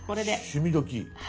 「趣味どきっ！」。